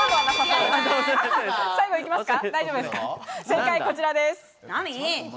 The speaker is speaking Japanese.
正解こちらです。